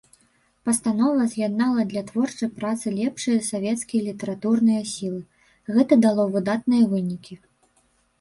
Пастанова з'яднала для творчай працы лепшыя савецкія літаратурныя сілы, гэта дало выдатныя вынікі.